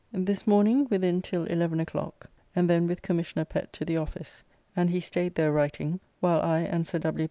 This morning within till 11 o'clock, and then with Commissioner Pett to the office; and he staid there writing, while I and Sir W.